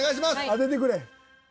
当ててくれ。